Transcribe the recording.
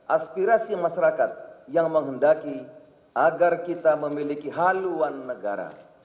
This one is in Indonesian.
aspirasi masyarakat yang menghendaki agar kita memiliki haluan negara